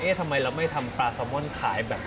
ทำไมเราไม่ทำปลาซามอนขายแบบ